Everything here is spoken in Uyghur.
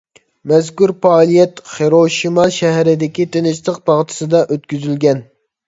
مەزكۇر پائالىيەت خىروشىما شەھىرىدىكى تىنچلىق باغچىسىدا ئۆتكۈزۈلگەن.